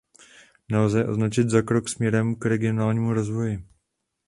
Nelze je označit za krok směrem k regionálnímu rozvoji.